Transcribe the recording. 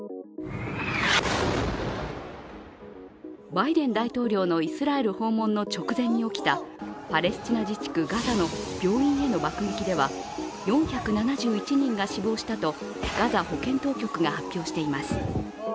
バイデン大統領のイスラエル訪問の直前に起きたパレスチナ自治区ガザの病院への爆撃では４７１人が死亡したとガザ保健当局が発表しています。